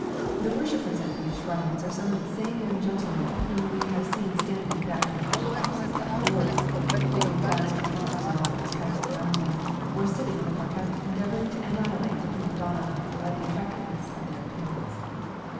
The worshippers at these shrines are some of the same young gentlemen whom we have seen standing back in the opera boxes by the doors, making fast remarks on all that was passing around them, or sitting in the parquette endeavouring to annihilate the prima donna by the attractiveness of their appearance.